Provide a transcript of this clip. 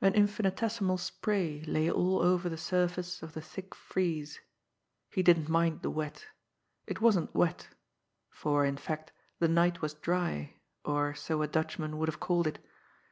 An infinitesimal spray lay all over the surface of the thick frieze. He didn't mind the wet. It wasn't wet. For, in fact, the night was dry, or so a Dutch man would have called it.